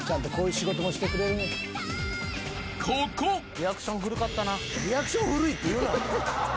リアクション古いって言うな！